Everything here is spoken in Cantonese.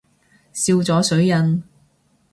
笑咗水印